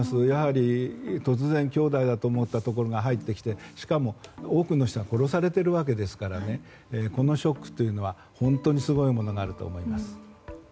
突然兄弟だと思っていたところが入ってきて、しかも多くの人が殺されているわけですからこのショックというのは、本当にすごいものがあると思います。